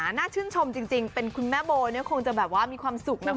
น่าชื่นชมจริงเป็นคุณแม่โบเนี่ยคงจะแบบว่ามีความสุขนะคุณ